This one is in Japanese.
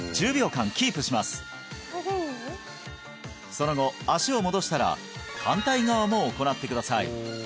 その後足を戻したら反対側も行ってください